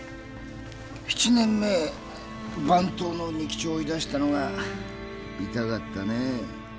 ７年前番頭の弐吉を追い出したのが痛かったね。